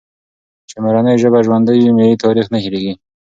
چي مورنۍ ژبه ژوندۍ وي، ملي تاریخ نه هېرېږي.